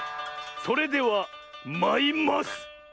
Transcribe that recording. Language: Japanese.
それではまいます！